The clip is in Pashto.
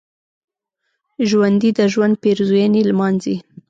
ژوندي د ژوند پېرزوینې لمانځي